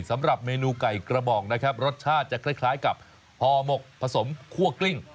สำหรับเมนูไก่กระบอกนะครับรสชาติจะคล้ายกับห่อหมกผสมคั่วกลิ้ง